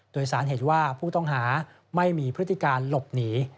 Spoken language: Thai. โดยสารเห็นว่าผู้ต้องหาไม่มีพฤติการหลบหนี